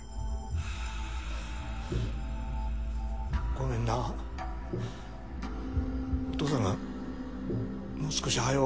ごめんなお父さんがもう少しはよ